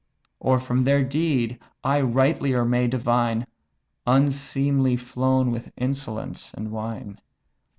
Or from their deed I rightlier may divine, Unseemly flown with insolence and wine?